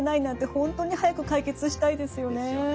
本当に早く解決したいですよね。